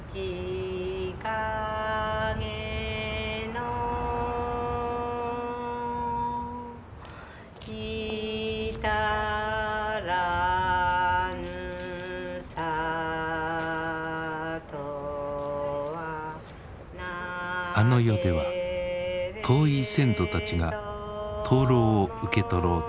あの世では遠い先祖たちが灯籠を受け取ろうと待っている。